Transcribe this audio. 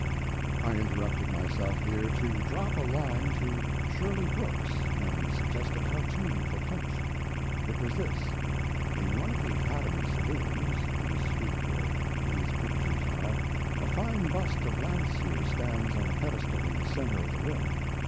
I interrupted myself here, to drop a line to Shirley Brooks and suggest a cartoon for Punch. It was this: in one of the Academy saloons (in a suite where these pictures are) a fine bust of Landseer stands on a pedestal in the center of the room.